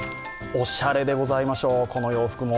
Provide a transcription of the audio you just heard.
おしゃれでございましょう、この洋服も。